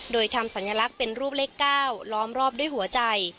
โดยทำสัญลักษณ์เป็นรูปเลข๙ล้อมรอบด้วยหัวใจ